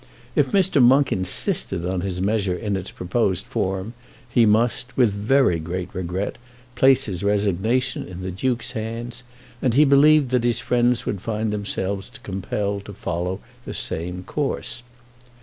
If Mr. Monk insisted on his measure in its proposed form, he must, with very great regret, place his resignation in the Duke's hands, and he believed that his friends would find themselves compelled to follow the same course.